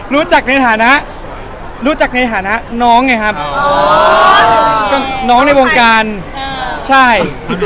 พี่เห็นไอ้เทรดเลิศเราทำไมวะไม่ลืมแล้ว